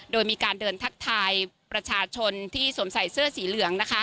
โดยมีการเดินทักทายประชาชนที่สวมใส่เสื้อสีเหลืองนะคะ